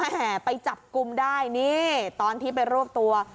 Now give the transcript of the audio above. แห่ไปจับกลุ่มได้นี่ตอนที่ไปรวบตัว